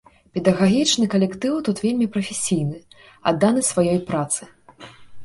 Педагагічны калектыў тут вельмі прафесійны, адданы сваёй працы.